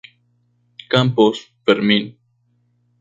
Campos, Fermín.